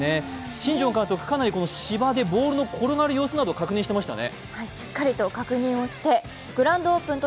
新庄監督、かなり芝でボールの転がる様子などを確認していましたね。